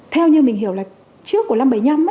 theo như mình hiểu là trước của năm trăm bảy mươi năm ấy